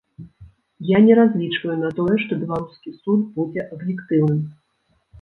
Я не разлічваю на тое, што беларускі суд будзе аб'ектыўным.